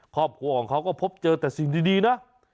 ครอบครัวของเขาก็พบเจอแต่สิ่งดีนะ